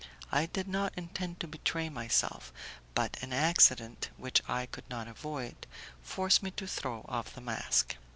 I did not intend to betray myself, but an accident, which I could not avoid, forced me to throw off the mask.